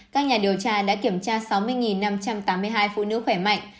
các nhà điều tra đã kiểm tra sáu mươi năm trăm tám mươi hai phụ nữ khỏe mạnh